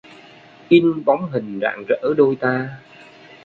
In bóng hình rạng rỡ đôi ta.